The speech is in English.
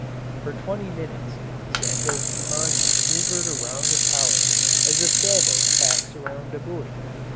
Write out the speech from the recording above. For twenty minutes Santos Dumont maneuvered around the tower as a sailboat tacks around a buoy.